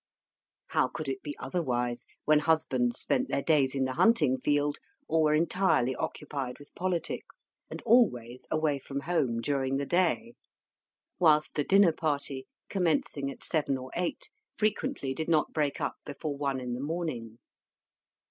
How could it be otherwise, when husbands spent their days in the hunting field, or were entirely occupied with politics, and always away from home during the day; whilst the dinner party, commencing at seven or eight, frequently did not break up before one in the morning.